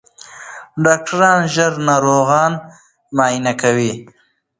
ډاکټران ژر ناروغان معاینه کوي.